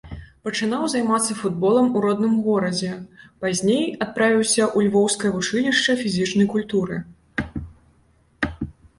Пачынаў займацца футболам у родным горадзе, пазней адправіўся ў львоўскае вучылішча фізічнай культуры.